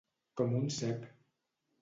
Com un cep.